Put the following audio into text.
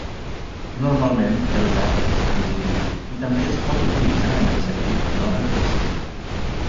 Normalment, el verb és transitiu i també es pot utilitzar en el senti no reflexiu.